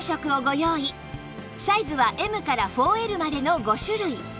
サイズは Ｍ から ４Ｌ までの５種類